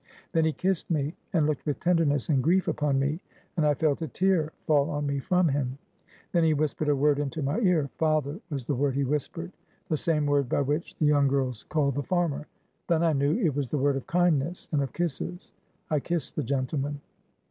Then he kissed me, and looked with tenderness and grief upon me; and I felt a tear fall on me from him. Then he whispered a word into my ear. 'Father,' was the word he whispered; the same word by which the young girls called the farmer. Then I knew it was the word of kindness and of kisses. I kissed the gentleman.